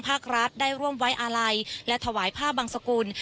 ทั้งภาครัฐได้ร่วมไว้อะไรและถวายภาพบางสกุล